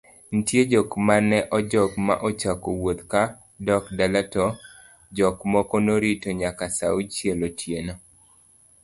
nitie jok mane ojok ma ochako wuodh ka dok dala to jok moko noritonyakasaaauchielotieno